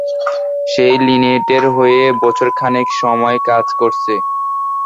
সে লিনেটের হয়ে বছরখানেক সময় কাজ করছে।